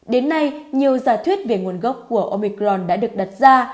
đến nay nhiều giả thuyết về nguồn gốc của omicron đã được đặt ra